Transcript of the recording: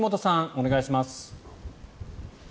お願いします。